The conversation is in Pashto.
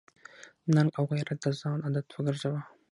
ننګ او غیرت د ځان عادت وګرځوه.